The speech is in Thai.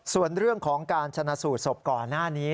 ส่วนเรื่องของการชนะสูตรศพก่อนหน้านี้